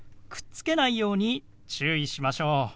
くっつけないように注意しましょう。